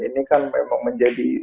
ini kan memang menjadi